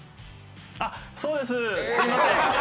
そうです、すいません。